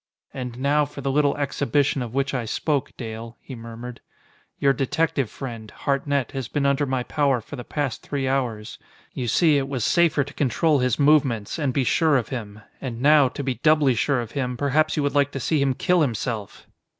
"And now for the little exhibition of which I spoke, Dale," he murmured. "Your detective friend, Hartnett, has been under my power for the past three hours. You see, it was safer to control his movements, and be sure of him. And now, to be doubly sure of him, perhaps you would like to see him kill himself!"